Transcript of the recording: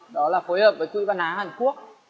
đó là phối hợp với tụi văn án hàn quốc